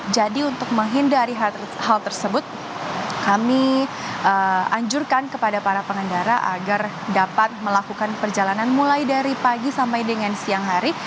jadi untuk menghindari hal tersebut kami anjurkan kepada para pengendara agar dapat melakukan perjalanan mulai dari pagi sampai dengan siang hari